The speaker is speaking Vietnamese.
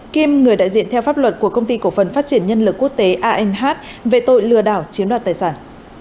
kiêm người đại diện theo pháp luật của công ty cổ phần phát triển nhân lực quốc tế anh về tội lừa đảo chiếm đoạt tài sản